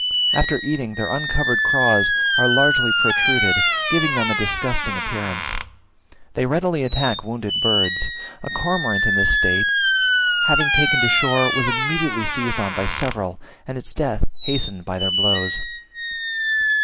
After eating, their uncovered craws are largely protruded, giving them a disgusting appearance. They readily attack wounded birds: a cormorant in this state having taken to the shore, was immediately seized on by several, and its death hastened by their blows.